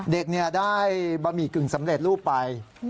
เด็กได้บะหมี่กึ่งสำเร็จรูปไป